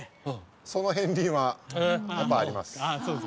その片鱗はやっぱあります